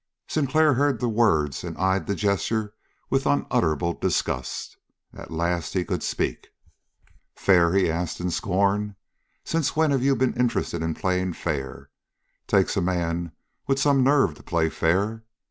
Sinclair heard the words and eyed the gesture with unutterable disgust. At last he could speak. "Fair?" he asked in scorn. "Since when have you been interested in playing fair? Takes a man with some nerve to play fair.